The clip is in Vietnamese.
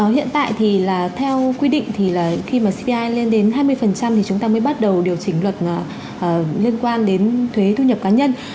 hiện tại thì là theo quy định thì là khi mà ci lên đến hai mươi thì chúng ta mới bắt đầu điều chỉnh luật liên quan đến thuế thu nhập cá nhân